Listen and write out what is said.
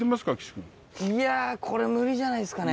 いやこれ無理じゃないですかね。